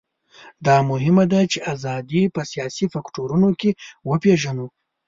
دا مهمه ده چې ازادي په سیاسي فکټورونو کې وپېژنو.